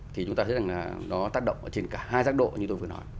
thì chúng ta thấy rằng là nó tác động trên cả hai giác độ như tôi vừa nói